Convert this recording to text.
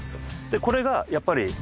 でこれがやっぱり。